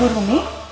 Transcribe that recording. oh ibu rumi